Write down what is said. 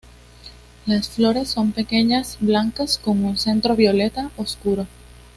Las flores son pequeñas, blancas con un centro violeta oscuro.